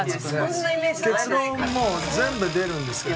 結論もう全部出るんですけども。